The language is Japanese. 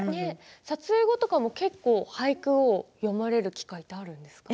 撮影後とかも結構、俳句を詠まれる機会があるんですか？